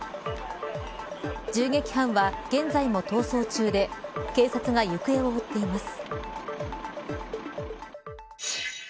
銃撃犯は、現在も逃走中で警察が行方を追っています。